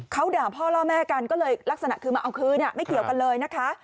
เขาด่าพ่อล่อแม่กันก็เลยลักษณะคือมาเอาคืนไม่เกี่ยวกันเลยนะคะ